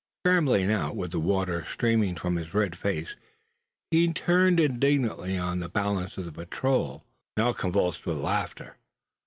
Scrambling out, with the water streaming from his red face, he turned indignantly on the balance of the patrol, now convulsed with laughter.